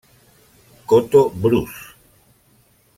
Coto Brus.